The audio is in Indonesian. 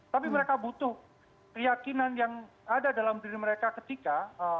tapi mereka butuh keyakinan yang ada dalam diri mereka ketika